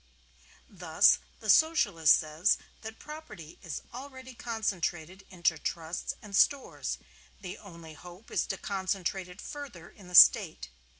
Thus the Socialist says that property is already concentrated into Trusts and Stores: the only hope is to concentrate it further in the State.